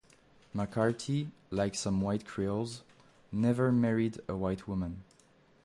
Macarty, like some white Creoles, never married a white woman.